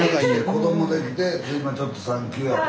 子どもできて今ちょっと産休やと。